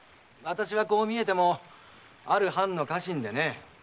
こう見えても私はある藩の家臣でね。